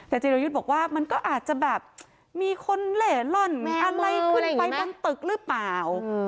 แต่จิรยุทธ์บอกว่ามันก็อาจจะแบบมีคนเหล่ล่อนมีอะไรขึ้นไปบนตึกหรือเปล่า